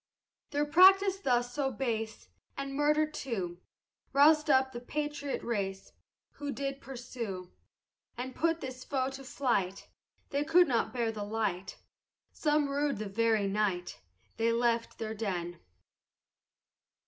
Their practice thus so base, And murder too, Rouz'd up the patriot race, Who did pursue, And put this foe to flight, They could not bear the light, Some rued the very night They left their den.